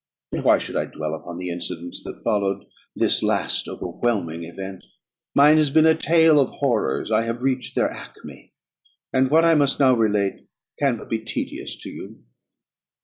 But why should I dwell upon the incidents that followed this last overwhelming event? Mine has been a tale of horrors; I have reached their acme, and what I must now relate can but be tedious to you.